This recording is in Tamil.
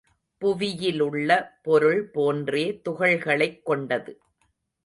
புவியிலுள்ள பொருள் போன்றே துகள்களைக் கொண்டது.